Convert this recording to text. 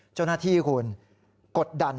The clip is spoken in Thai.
เจ้าหน้าที่คุณกดดัน